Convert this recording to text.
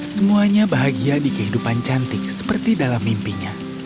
semuanya bahagia di kehidupan cantik seperti dalam mimpinya